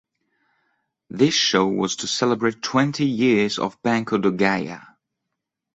This show was to celebrate twenty years of Banco De Gaia.